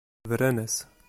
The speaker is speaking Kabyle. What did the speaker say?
Bran-as.